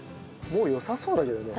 もうよさそうだけどね。